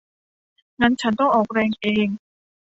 งั้นฉันต้องออกแรงเอง